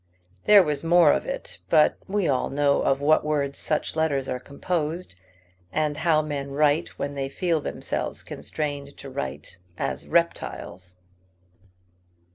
There was more of it, but we all know of what words such letters are composed, and how men write when they feel themselves constrained to write as reptiles.